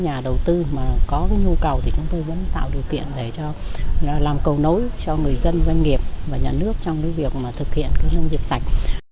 các nhà đầu tư mà có nhu cầu thì chúng tôi vẫn tạo điều kiện để làm cầu nối cho người dân doanh nghiệp và nhà nước trong cái việc mà thực hiện nông nghiệp sạch